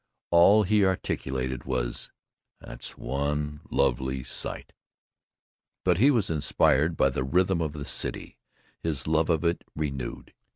All he articulated was "That's one lovely sight!" but he was inspired by the rhythm of the city; his love of it renewed.